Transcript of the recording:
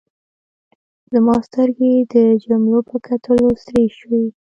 زما سترګې د جملو په کتلو سرې شوې.